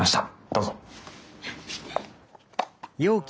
どうぞ。